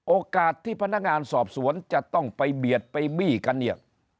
โอกาสที่พนักงานสอบสวนจะต้องไปเบียดไปบี้กันเนี่ย